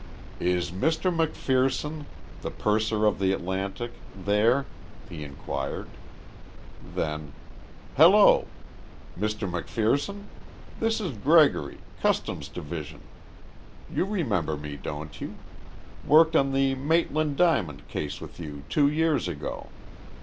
"Is Mr. MacPherson, the purser of the Atlantic, there?" he inquired. Then: "Hello! Mr. MacPherson? This is Gregory, Customs Division. You remember me, don't you? Worked on the Maitland diamond case with you two years ago....